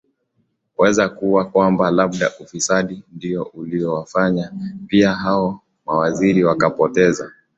weza kuwa kwamba labda ufisadi ndio iliowafanya pia hao mawaziri wakapoteza